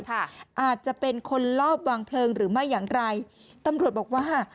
อาจจะเป็นคนลอบวางเพลิงหรือไม่อย่างไรตำรวจบอกว่า